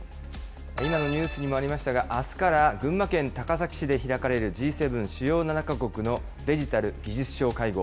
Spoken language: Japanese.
今のニュースにもありましたが、あすから群馬県高崎市で開かれるＧ７・主要７か国のデジタル・技術相会合。